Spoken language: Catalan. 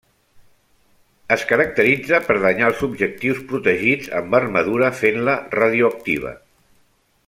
Es caracteritza per danyar els objectius protegits amb armadura fent-la radioactiva.